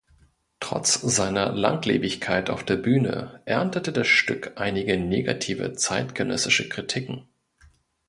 Trotz seiner Langlebigkeit auf der Bühne erntete das Stück einige negative zeitgenössische Kritiken.